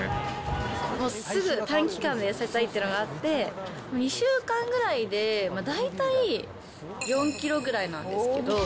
もうすぐ短期間で痩せたいっていうのがあって、２週間ぐらいで大体４キロぐらいなんですけど。